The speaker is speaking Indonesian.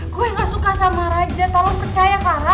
gue nggak suka sama raja tolong percaya clara